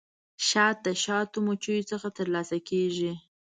شات د شاتو مچیو څخه ترلاسه کیږي